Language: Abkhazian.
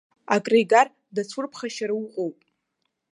Акры игар дацәурԥхашьара уҟоуп!